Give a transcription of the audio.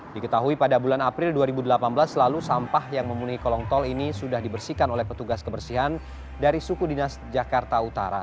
diketahui pada bulan april dua ribu delapan belas lalu sampah yang memenuhi kolong tol ini sudah dibersihkan oleh petugas kebersihan dari suku dinas jakarta utara